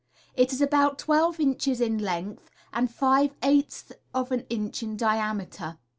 It is about twelve inches in length, and five eighths of an inch in diameter.